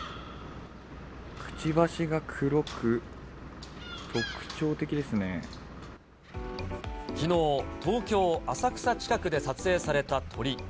くちばしが黒く、きのう、東京・浅草近くで撮影された鳥。